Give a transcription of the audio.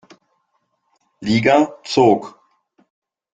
Liga zog.